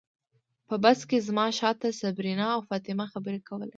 په بس کې زما شاته صبرینا او فاطمه خبرې کولې.